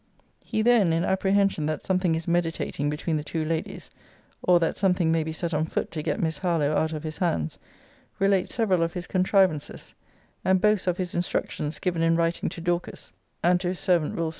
[He then, in apprehension that something is meditating between the two ladies, or that something may be set on foot to get Miss Harlowe out of his hands, relates several of his contrivances, and boasts of his instructions given in writing to Dorcas, and to his servant Will.